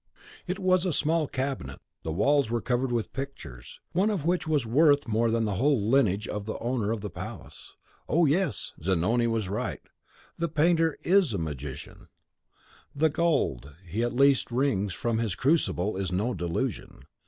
It was a small cabinet; the walls were covered with pictures, one of which was worth more than the whole lineage of the owner of the palace. Oh, yes! Zanoni was right. The painter IS a magician; the gold he at least wrings from his crucible is no delusion.